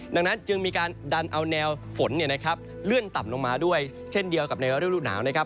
ดังนั้นจึงมีการดันเอาแนวฝนเลื่อนต่ำลงมาด้วยเช่นเดียวกับในฤดูหนาวนะครับ